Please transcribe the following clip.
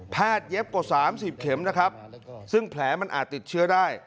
เย็บกว่า๓๐เข็มนะครับซึ่งแผลมันอาจติดเชื้อได้